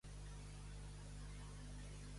Què l'entretenia d'aquest a en Montbrió?